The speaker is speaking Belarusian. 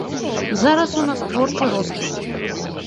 Зараз у нас творчы росквіт.